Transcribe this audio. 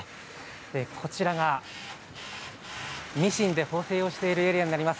ミシンで縫製をしているエリアになります。